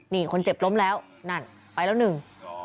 นี่คนเจ็บล้มแล้วนั่นไปแล้วหนึ่ง